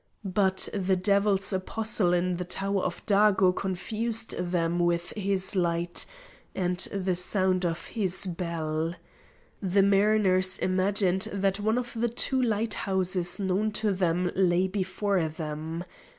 But the Devil's apostle in the Tower of Dago confused them with his light and the sound of his bell. The mariners imagined that one of the two lighthouses known to them lay before them.